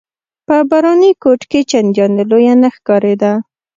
په باراني کوټ کې چنداني لویه نه ښکارېده.